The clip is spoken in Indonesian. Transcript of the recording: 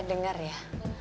eh denger ya